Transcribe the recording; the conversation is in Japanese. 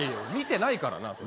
見てないからな。